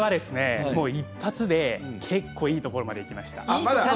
一発で結構いいところまでいきました。